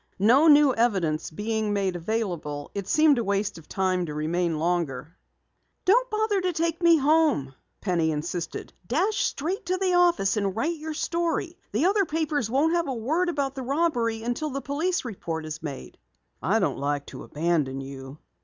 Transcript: No new evidence being made available, it seemed a waste of time to remain longer. "Don't bother to take me home," Penny insisted. "Dash straight to the office and write your story. The other papers won't have a word about the robbery until the police report is made." "I don't like to abandon you."